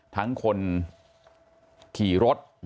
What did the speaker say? ทั้งคนขี่รถ